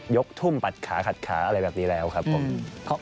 กทุ่มปัดขาขัดขาอะไรแบบนี้แล้วครับผม